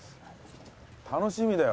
楽しみだよ。